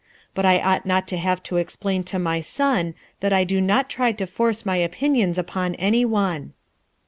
But I ought not to have to expl^ to my son that I do not try to force my opinion upon any one."